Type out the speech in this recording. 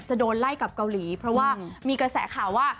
จะโดนไล่กับเกาหลีเพราะว่ามีกระแสข่าวว่า